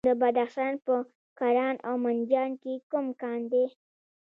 د بدخشان په کران او منجان کې کوم کان دی؟